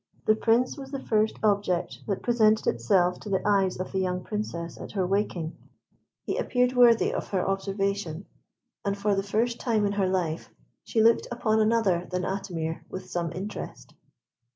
The Prince was the first object that presented itself to the eyes of the young Princess at her waking. He appeared worthy of her observation, and for the first time in her life she looked upon another than Atimir with some interest.